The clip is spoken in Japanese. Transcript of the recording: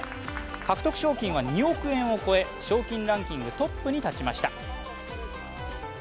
獲得賞金は２億円を超え、賞金ランキングトップに立ちました。